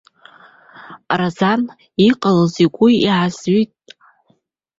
Разан иҟалаз игәы аазҩеит.